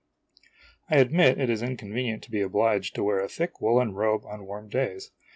I admit it is inconvenient to be obliged to wear a thick woolen O robe on warm days.